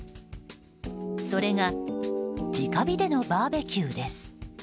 それが直火でのバーベキューです。